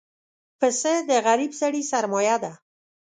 پسه د غریب سړي سرمایه ده.